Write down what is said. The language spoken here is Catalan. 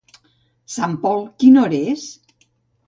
Sant Pol, quina hora és?